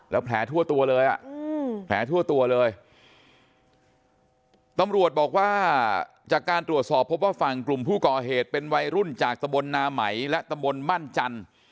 และแผลทั่วตัวเลยตำรวจบอกว่าจากการตรวจสอบว่าฝั่งกลุ่มผู้ก่อเหตุเป็นวัยรุ่นจากตบลนาไหมและตบลบ้านจันทร์